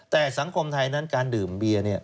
แต่สังคมไทยนั้นการดื่มเบียร์เนี่ย